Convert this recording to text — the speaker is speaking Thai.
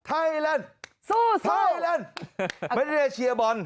ไทยแลนด์สู้ไทยแลนด์ไม่ได้เชียร์บอล